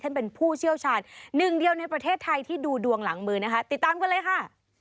เป็นผู้เชี่ยวชาญหนึ่งเดียวในประเทศไทยที่ดูดวงหลังมือนะคะติดตามกันเลยค่ะ